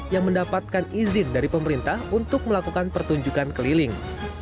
yang mendapatkan izin dari pemerintah untuk melakukan pertunjukan keliling